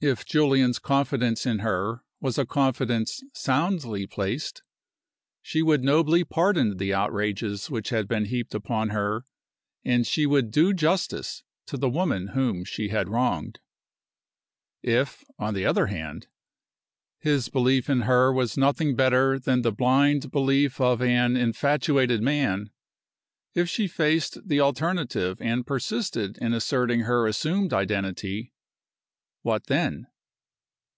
If Julian's confidence in her was a confidence soundly placed, she would nobly pardon the outrages that had been heaped upon her, and she would do justice to the woman whom she had wronged. If, on the other hand, his belief in her was nothing better than the blind belief of an infatuated man if she faced the alternative and persisted in asserting her assumed identity what then?